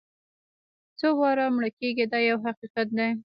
څو واره مړه کېږي دا یو حقیقت دی.